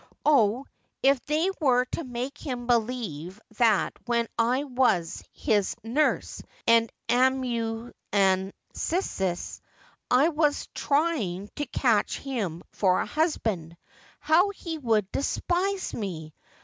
Oh, if they were to make him believe that when I was his nurse and amanuensis I was trying to catch him for a husband, how he would despise me